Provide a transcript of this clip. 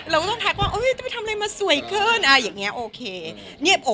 เราก็ต้องทักว่าจะไปทำอะไรมาสวยขึ้นอะไรอย่างนี้โอเค